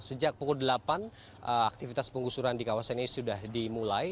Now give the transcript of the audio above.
sejak pukul delapan aktivitas penggusuran di kawasan ini sudah dimulai